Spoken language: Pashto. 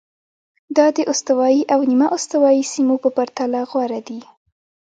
دا د استوایي او نیمه استوایي سیمو په پرتله غوره دي.